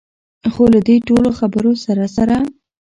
خو له دې ټولو خبرو سره سره.